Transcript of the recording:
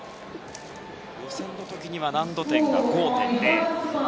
予選の時は難度点が５．０。